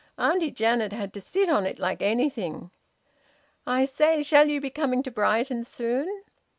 Auntie Janet had to sit on it like anything! I say shall you be coming to Brighton soon?"